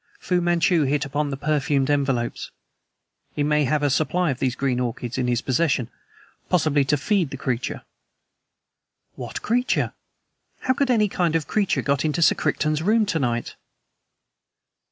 Fu Manchu hit upon the perfumed envelopes. He may have a supply of these green orchids in his possession possibly to feed the creature." "What creature? How could any kind of creature have got into Sir Crichton's room tonight?"